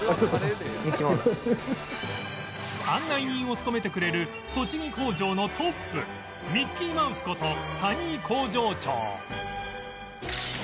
案内人を務めてくれる栃木工場のトップミッキーマウスこと谷井工場長